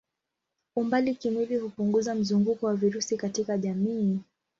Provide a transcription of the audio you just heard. Umbali kimwili hupunguza mzunguko wa virusi katika jamii.